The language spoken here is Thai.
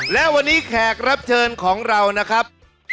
และวันนี้แขกรับเชิญของเรานะครับ